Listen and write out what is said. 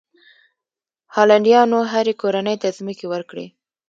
هالنډیانو هرې کورنۍ ته ځمکې ورکړې.